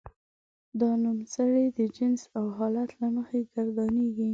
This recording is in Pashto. دا نومځري د جنس او حالت له مخې ګردانیږي.